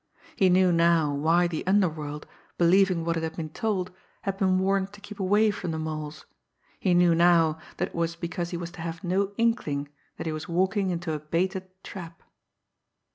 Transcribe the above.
He knew now why the underworld, believing what it had been told, had been warned to keep away from the Mole's he knew now that it was because he was to have no inkling that he was walking into a baited trap.